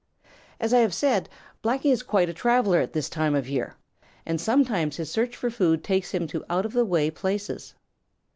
As I have said, Blacky is quite a traveler at this time of year, and sometimes his search for food takes him to out of the way places.